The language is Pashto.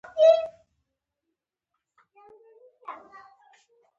د جزايي قوانینو ټولګه جوړه شوه.